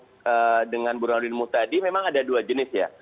kalau dengan burundi ndudu tadi memang ada dua jenis ya